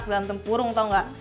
di dalam tempurung tau gak